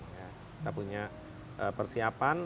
kita punya persiapan